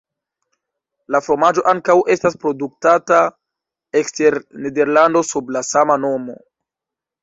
La fromaĝo ankaŭ estas produktata ekster Nederlando sub la sama nomo.